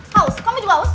haus kamu juga haus